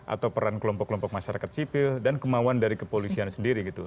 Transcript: atau peran kelompok kelompok masyarakat sipil dan kemauan dari kepolisian sendiri gitu